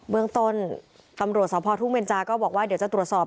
เมืองต้นตำรวจสพทุ่งเบนจาก็บอกว่าเดี๋ยวจะตรวจสอบ